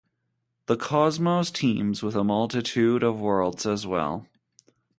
The cosmos teems with a multitude of worlds as well.